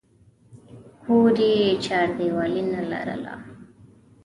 کور یې چاردیوالي نه لرله.